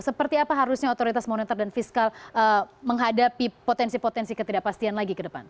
seperti apa harusnya otoritas moneter dan fiskal menghadapi potensi potensi ketidakpastian lagi ke depan